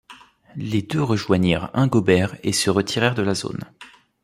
Les deux rejoignirent Ingobert et se retirèrent de la zone.